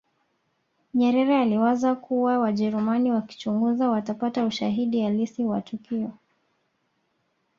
nyerere aliwaza kuwa wajerumani wakichunguza watapata ushahidi halisi wa tukio